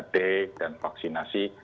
tiga t dan vaksinasi